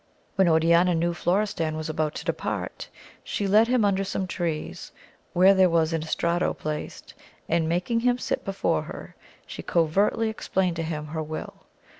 When Oriana knew Florestan was about to depart, she led him under some trees, where there was an estrado placed, and making him sit before her, she covertly explained to him her will.